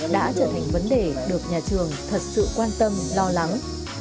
đã trở thành vấn đề được nhà trường thật sự quan tâm lo lắng